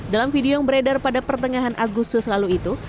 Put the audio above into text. dalam video yang beredar pada pertengahan agustus lalu itu